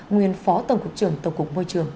nguyên phó tổng cục trường tổng cục môi trường